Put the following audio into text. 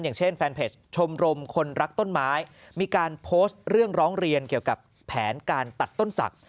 อย่างเช่นแฟนเพจชมรมคนรักต้นไม้มีการโพสต์เรื่องร้องเรียนเกี่ยวกับแผนการตัดต้นศักดิ